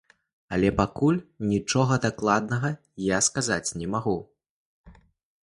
Але пакуль нічога дакладнага я сказаць не магу.